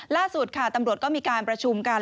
ล่าสุดค่ะตำรวจก็มีการประชุมกัน